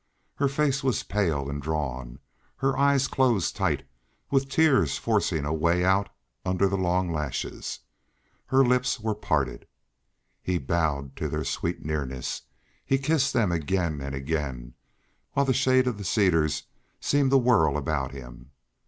Her face was pale and drawn; her eyes closed tight, with tears forcing a way out under the long lashes; her lips were parted. He bowed to their sweet nearness; he kissed them again and again, while the shade of the cedars seemed to whirl about him.